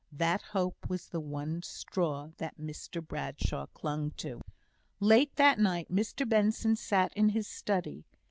That hope was the one straw that Mr Bradshaw clung to. Late that night Mr Benson sat in his study.